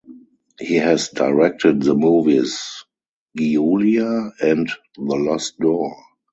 He has directed the movies "Giulia" and "The Lost Door".